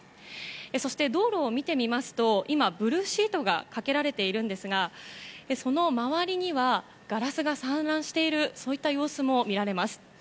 そして、道路を見てみますとブルーシートがかけられていますがその周りにはガラスが散乱している様子も見られます。